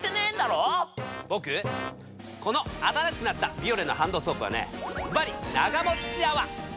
ボクこの新しくなったビオレのハンドソープはねズバリながもっち泡！